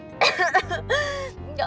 tante siapin tisu ya